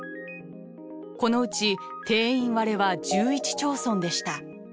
このうち定員割れは１１町村でした。